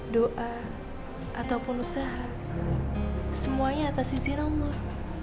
doa ataupun usaha semuanya atas izin allah